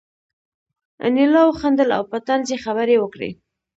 انیلا وخندل او په طنز یې خبرې وکړې